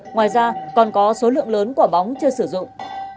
ngoài ra còn có số lượng lớn quả bóng chưa sử dụng